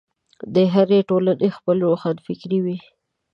د هرې ټولنې خپله روښانفکري وي.